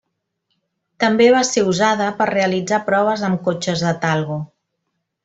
També va ser usada per realitzar proves amb cotxes de Talgo.